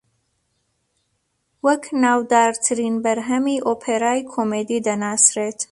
وەک ناودارترین بەرهەمی ئۆپێرایی کۆمیدی دەناسرێت